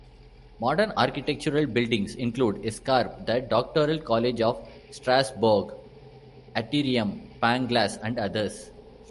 Modern architectural buildings include: Escarpe, the Doctoral College of Strasbourg, Atrium, Pangloss and others.